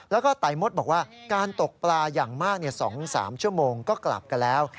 แล้วก็ไตมดบอกว่าการตกปลาอย่างมาก๒๓ชั่วโมงก็กลับกันแล้ว